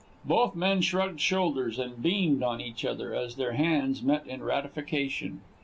..." Both men shrugged shoulders and beamed on each other as their hands met in ratification.